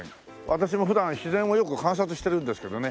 私も普段自然をよく観察してるんですけどね。